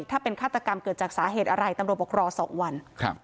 ถ้าเป็นฆาตกรรมเกิดจากสาเหตุอะไรตำรวจบอกรอ๒วัน